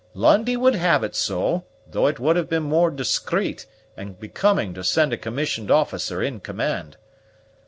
Lundie would have it so, though it would have been more discreet and becoming to send a commissioned officer in command.